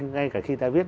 ngay cả khi ta viết